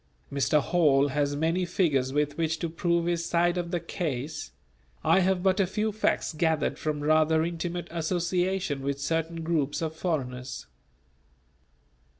Mr. Hall has many figures with which to prove his side of the case; I have but a few facts gathered from rather intimate association with certain groups of foreigners.